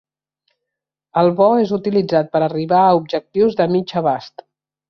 El bo és utilitzat per arribar a objectius de mig abast.